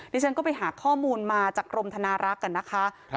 ฉันก็ไปหาข้อมูลมาจากกรมธนารักษ์กันนะคะ